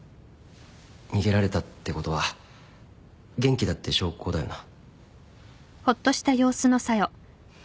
逃げられたってことは元気だって証拠だよな。